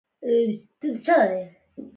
سر یې په توره پټۍ تړلی.